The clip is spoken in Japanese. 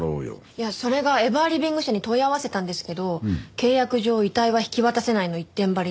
いやそれがエバーリビング社に問い合わせたんですけど契約上遺体は引き渡せないの一点張りで。